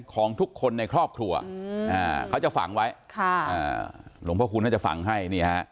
ของทุกคนในครอบครัวเขาจะฝังไว้หลวงพระคูณก็จะฝังให้